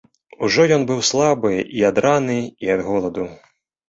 Ужо ён быў слабы і ад раны, і ад голаду.